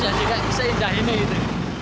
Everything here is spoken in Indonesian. jadi kayak seindah ini gitu